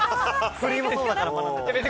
クリームソーダから学んだ。